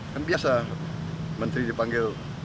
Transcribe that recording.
kan biasa menteri dipanggil